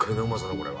これは。